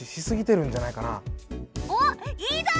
おっいいぞ！